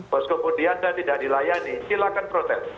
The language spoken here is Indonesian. karena kemudian tidak dilayani silakan protes